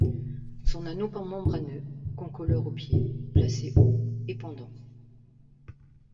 Son anneau membraneux, concolore au pied, placé haut et pendant.